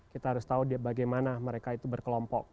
kita harus tahu bagaimana mereka itu berkelompok